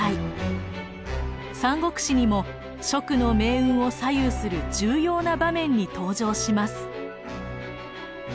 「三国志」にも蜀の命運を左右する重要な場面に登場します。